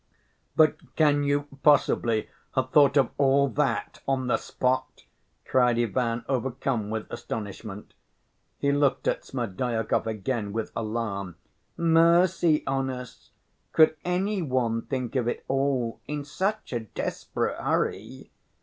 "But can you possibly have thought of all that on the spot?" cried Ivan, overcome with astonishment. He looked at Smerdyakov again with alarm. "Mercy on us! Could any one think of it all in such a desperate hurry?